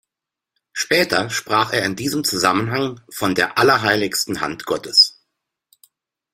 Später sprach er in diesem Zusammenhang von der „allerheiligsten Hand Gottes“.